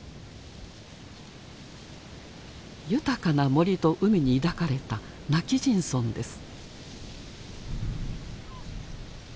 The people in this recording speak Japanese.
豊かな森と海に抱かれた今帰仁村です。